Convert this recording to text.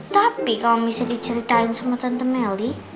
tapi kalo bisa diceritain sama tante melly